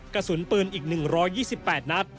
กระสุนปืนอีก๑๒๘นัด